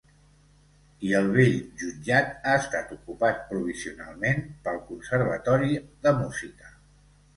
I el vell jutjat ha estat ocupat provisionalment pel Conservatori de Música.